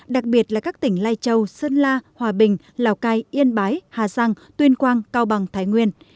đặc biệt là các tỉnh lai châu sơn la hòa bình lào cai yên bái hà giang tuyên quang cao bằng thái nguyên